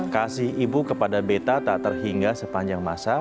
kasih ibu kepada beta tak terhingga sepanjang masa